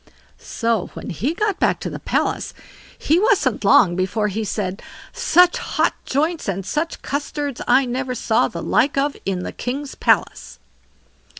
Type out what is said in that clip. So when he got back to the palace, he wasn't long before he said: "Such hot joints and such custards I never saw the like of in the king's palace."